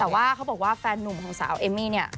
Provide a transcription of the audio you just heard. แต่ว่าเขาบอกว่าแฟนนุ่มของสาวเอมมี่เนี่ย